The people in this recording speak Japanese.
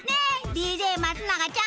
ＤＪ松永ちゃん！